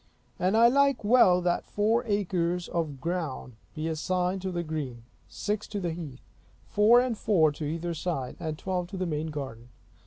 And I like well that four acres of ground be assigned to the green; six to the heath; four and four to either side; and twelve to the main garden.